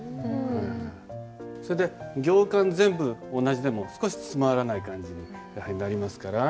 それで行間全部同じでも少しつまらない感じになりますから。